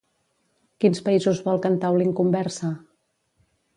Quins països vol que entaulin conversa?